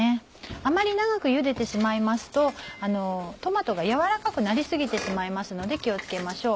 あまり長くゆでてしまいますとトマトが軟らかくなり過ぎてしまいますので気を付けましょう。